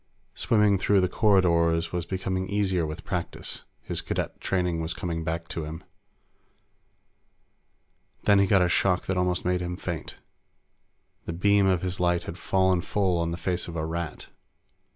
Swimming through the corridors was becoming easier with practice; his Cadet training was coming back to him. Then he got a shock that almost made him faint. The beam of his light had fallen full on the face of a Rat.